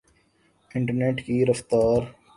internet کی رفتار